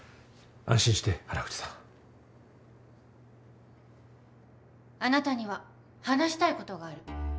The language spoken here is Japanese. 安心して原口さん。あなたには話したいことがある。